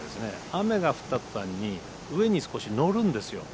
雨が降ったとたんに上に少し乗るんですよ。